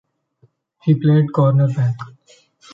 He played cornerback.